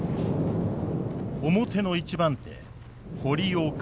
表の一番手堀尾薫さん。